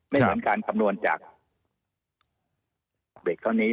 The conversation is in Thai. เหมือนการคำนวณจากเด็กเท่านี้